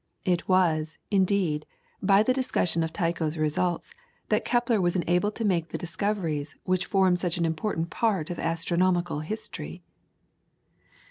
It was, indeed, by the discussion of Tycho's results that Kepler was enabled to make the discoveries which form such an important part of astronomical history.